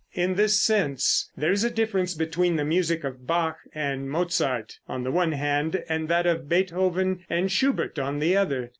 In this sense there is a difference between the music of Bach and Mozart, on the one hand, and that of Beethoven and Schubert, on the other.